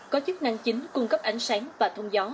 có chức năng chính cung cấp ánh sáng và thông gió